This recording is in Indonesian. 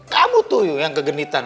kamu tuh yang kegenitan